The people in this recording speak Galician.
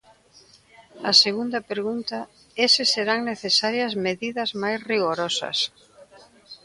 A segunda pregunta é se serán necesarias medidas máis rigorosas.